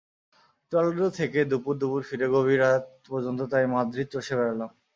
Toledo থেকে দুপুর-দুপুর ফিরে গভীর রাত পর্যন্ত তাই মাদ্রিদ চষে বেড়ালাম।